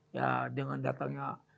ya dengan datangnya